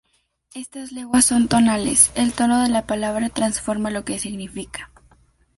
Estas lenguas son tonales; el tono de la palabra transforma lo que significa.